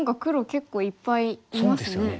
結構いっぱいいますね。